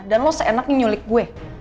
dan lo seenak nyulik gue